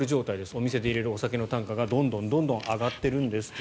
お店で入れるお酒の単価がどんどん上がっているんですと。